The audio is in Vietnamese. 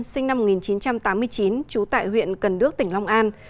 sinh năm một nghìn chín trăm tám mươi chín trú tại huyện cần đước tỉnh long an